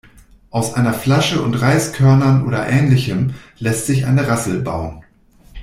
Aus einer Flasche und Reiskörnern oder Ähnlichem lässt sich eine Rassel bauen.